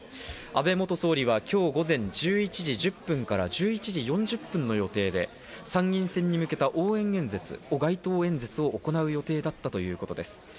安倍元総理は今日午前１１時１０分から１１時４０分の予定で、参院選に向けた応援演説、街頭演説を行う予定だったということです。